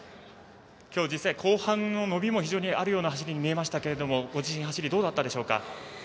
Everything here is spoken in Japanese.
今日実際、後半の伸びも非常にあるような走りに見えましたがご自身の走りはいかがでしたか？